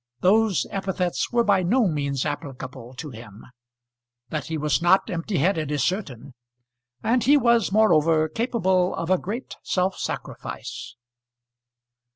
Those epithets were by no means applicable to him. That he was not empty headed is certain; and he was moreover capable of a great self sacrifice.